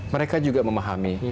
mereka juga memahami